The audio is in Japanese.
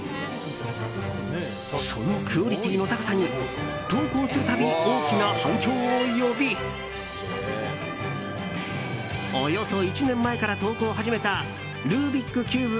そのクオリティーの高さに投稿するたび大きな反響を呼びおよそ１年前から投稿を始めたルービックキューブ